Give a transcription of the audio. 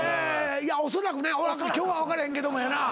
いやおそらくね今日は分かれへんけどもやな。